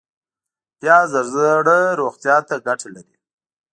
پیاز د زړه روغتیا ته ګټه لري